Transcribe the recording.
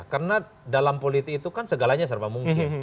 karena dalam politik itu kan segalanya serba mungkin